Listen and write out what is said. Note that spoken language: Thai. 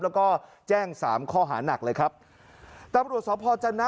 แล้วก็แจ้งสามข้อหานักเลยครับตำรวจสพจนะ